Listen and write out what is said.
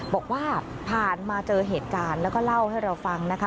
บอกว่าผ่านมาเจอเหตุการณ์แล้วก็เล่าให้เราฟังนะคะ